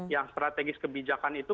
yang strategis kebijakan itu